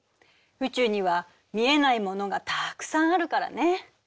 宇宙には見えないものがたくさんあるからね。